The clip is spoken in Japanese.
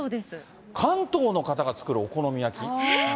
関東の方が作るお好み焼き。